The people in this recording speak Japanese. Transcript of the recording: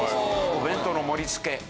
お弁当の盛り付けね